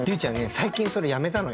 最近それやめたのよ。